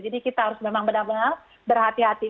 jadi kita harus memang benar benar berhati hati